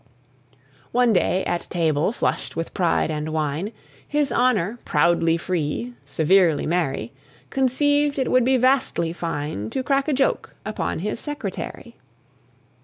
One day, at table, flushed with pride and wine, His honour, proudly free, severely merry, Conceived it would be vastly fine To crack a joke upon his secretary.